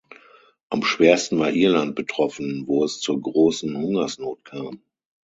Am schwersten war Irland betroffen, wo es zur Großen Hungersnot kam.